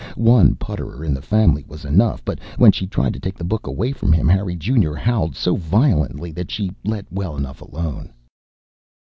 One putterer in the family was enough! But when she tried to take the book away from him, Harry Junior howled so violently that she let well enough alone.